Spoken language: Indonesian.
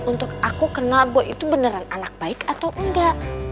untuk aku kenal bo itu beneran anak baik atau enggak